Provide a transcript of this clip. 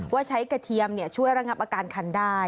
ว่าใช้กระเทียมช่วยระงับอาการคันได้